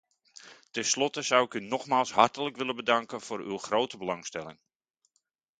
Tenslotte zou ik u nogmaals hartelijk willen bedanken voor uw grote belangstelling.